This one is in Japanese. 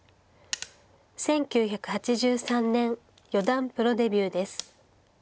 １９８３年四段プロデビューです。